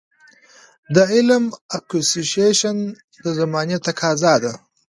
د علم Acquisition د زمانې تقاضا ده.